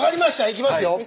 いきますよ。